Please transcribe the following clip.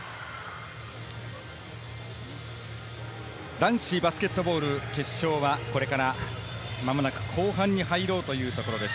男子バスケットボール決勝はこれから間もなく後半に入ろうというところです。